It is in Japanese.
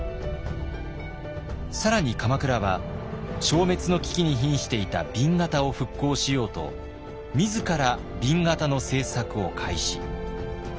更に鎌倉は消滅の危機にひんしていた紅型を復興しようと自ら紅型の制作を開始。